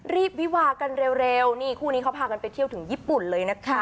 วิวากันเร็วนี่คู่นี้เขาพากันไปเที่ยวถึงญี่ปุ่นเลยนะคะ